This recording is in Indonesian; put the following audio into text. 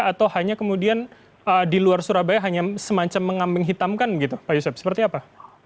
atau hanya kemudian di luar surabaya hanya semacam mengambing hitamkan gitu pak yusuf seperti apa